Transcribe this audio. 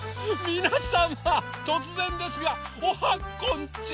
みなさまとつぜんですがおはこんち